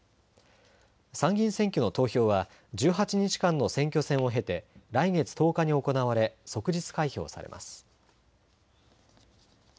参議院選挙の投票は１８日間の選挙戦を経て来月１０日に行われ即日開票されます。